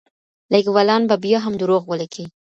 لیکوالان به بیا هم دروغ ولیکي.